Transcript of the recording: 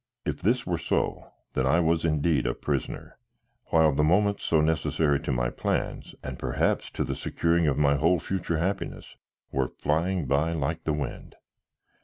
If this were so, then was I indeed a prisoner, while the moments so necessary to my plans, and perhaps to the securing of my whole future happiness, were flying by like the wind.